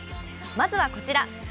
まずはこちら。